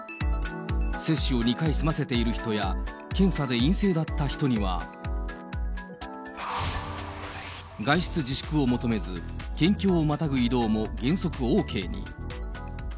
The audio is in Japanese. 接種を２回済ませている人や、検査で陰性だった人には、外出自粛を求めず、県境をまたぐ移動も原則ＯＫに。